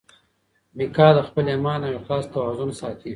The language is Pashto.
میکا د خپل ایمان او اخلاص توازن ساتي.